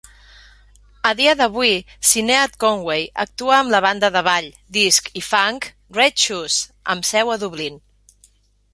A dia d'avui, Sinead Conway actua amb la banda de ball, disc i "funk" Red Shoes, amb seu a Dublín.